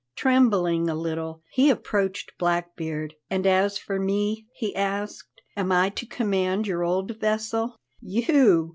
Trembling a little, he approached Blackbeard. "And as for me," he asked; "am I to command your old vessel?" "You!"